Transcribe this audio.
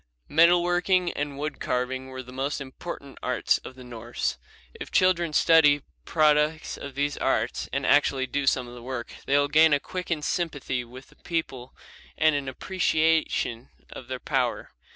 Metal working and wood carving were the most important arts of the Norse. If children study products of these arts and actually do some of the work, they will gain a quickened sympathy with the people and an appreciation of their power.